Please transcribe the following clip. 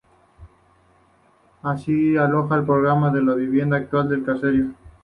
Ahí se aloja el programa de la vivienda actual del caserío.